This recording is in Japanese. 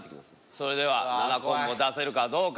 それでは７コンボ出せるかどうか。